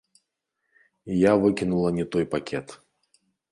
І я выкінула не той пакет.